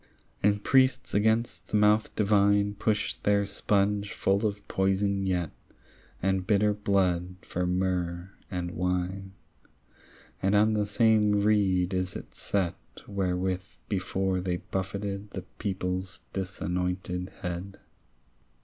And priests against the mouth divine Push their sponge full of poison yet And bitter blood for myrrh and wine, And on the same reed is it set Wherewith before they buffeted The people's disanointed head.